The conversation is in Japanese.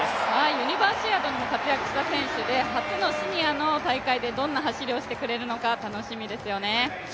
ユニバーシアードでも活躍した選手で初のシニアの大会でどんな走りをしてくれるのか楽しみですよね。